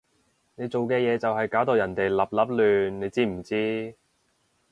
你做嘅嘢就係搞到人哋立立亂，你知唔知？